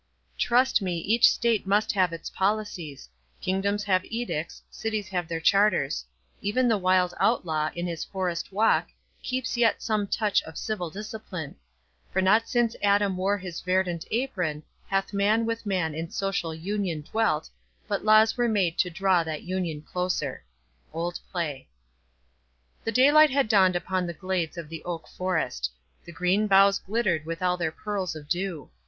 Trust me each state must have its policies: Kingdoms have edicts, cities have their charters; Even the wild outlaw, in his forest walk, Keeps yet some touch of civil discipline; For not since Adam wore his verdant apron, Hath man with man in social union dwelt, But laws were made to draw that union closer. OLD PLAY The daylight had dawned upon the glades of the oak forest. The green boughs glittered with all their pearls of dew.